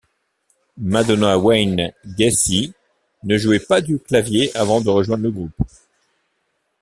Madonna Wayne Gacy ne jouait pas du clavier avant de rejoindre le groupe.